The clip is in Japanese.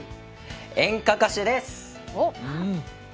演歌歌手です！